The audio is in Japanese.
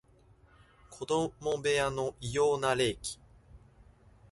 子供部屋の異様な冷気